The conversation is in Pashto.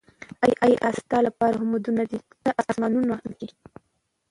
اې الله ! ستا لپاره حمدونه دي ته د آسمانونو، ځمکي